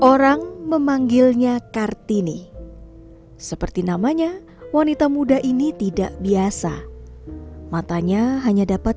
hai orang memanggilnya kartini seperti namanya wanita muda ini tidak biasa matanya hanya dapat